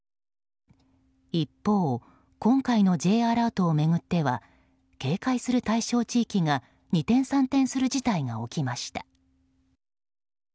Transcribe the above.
一方、今回のＪアラートを巡っては警戒する対象地域が二転三転する事態が起きました。